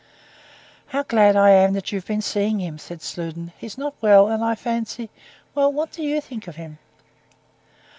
"How glad I am you've been seeing him!" said Sludin. "He's not well, and I fancy.... Well, what do you think of him?"